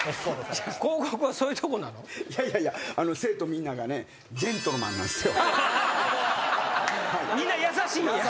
みんな優しいんや？